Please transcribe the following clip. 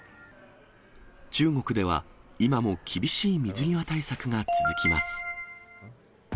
中国では、今も厳しい水際対策が続きます。